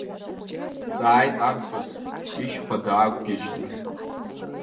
Дҵааит Арԥыс ишьхәа даақәгьежьны.